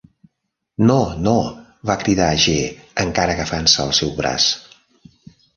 "No, no", va cridar G., encara agafant-se al seu braç.